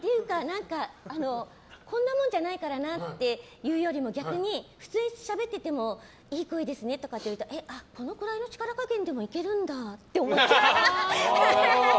こんなもじゃないからなっていうよりも逆に、普通にしゃべっててもいい声でですねって言われてもこのくらいの力加減でもいけるんだって思っちゃう。